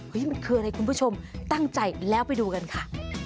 มันคืออะไรคุณผู้ชมตั้งใจแล้วไปดูกันค่ะ